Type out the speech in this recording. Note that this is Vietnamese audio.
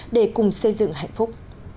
để cùng xây dựng hạnh phúc